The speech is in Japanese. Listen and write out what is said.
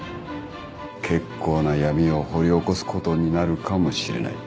結構な闇を掘り起こすことになるかもしれない。